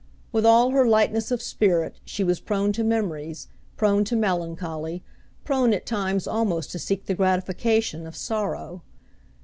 With all her lightness of spirit she was prone to memories, prone to melancholy, prone at times almost to seek the gratification of sorrow.